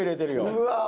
うわ。